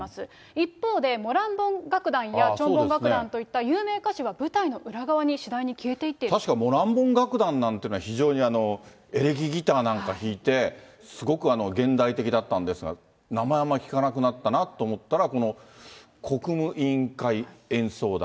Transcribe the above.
一方で、モランボン楽団やチョンボン楽団といった有名歌手は舞台の裏側に確か、モランボン楽団なんていうのは、非常にエレキギターなんか弾いて、すごく現代的だったんですが、名前も聞かなくなったなと思ったら、この国務委員会演奏団。